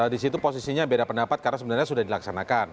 di situ posisinya beda pendapat karena sebenarnya sudah dilaksanakan